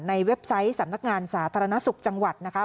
เว็บไซต์สำนักงานสาธารณสุขจังหวัดนะคะ